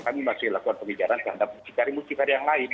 kami masih lakukan pengejaran terhadap musyikari musyikari yang lain